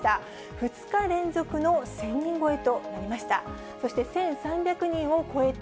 ２日連続の１０００人超えとなりました。